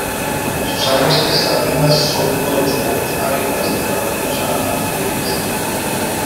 Sus aguas cristalinas son uno de los pocos hábitats de la trucha arco iris.